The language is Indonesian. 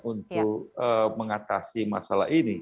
untuk mengatasi masalah ini